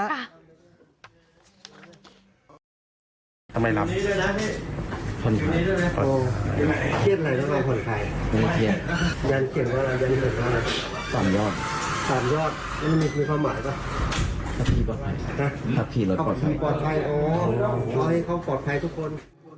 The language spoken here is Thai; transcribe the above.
ขับขี่ปลอดภัยอ๋อขอให้เขาปลอดภัยทุกคน